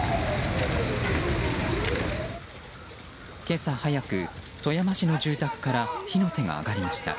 今朝早く、富山市の住宅から火の手が上がりました。